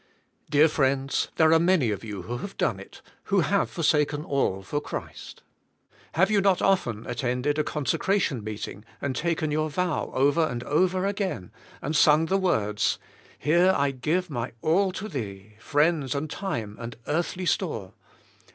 Dear friends, there are many of you who have done it, who have forsaken all for Christ. Have you not often attended a consecration meeting and taken your vow over and over ag"ain, and sung the words: '' Here I give my all to Thee, Friends, and time, and earthly store."